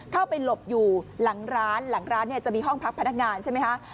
เข้าไปหลบอยู่หลังร้านหลังร้านเนี่ยจะมีห้องพักพนักงานใช่ไหมคะ